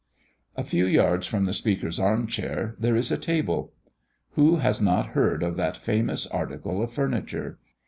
A few yards from the Speaker's arm chair there is a table. Who has not heard of that famous article of furniture?